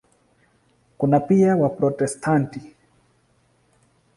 Kuna pia Waprotestanti.